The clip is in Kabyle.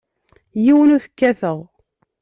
Yiwen ur t-kkateɣ.